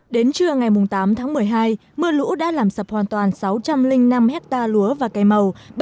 đến trưa ngày tám tháng một mươi hai mưa lũ đã làm sập hoàn toàn sáu trăm linh năm hectare lúa và cây màu